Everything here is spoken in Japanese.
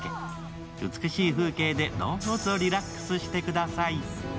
美しい風景で、どうぞリラックスしてください。